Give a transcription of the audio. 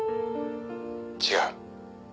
違う。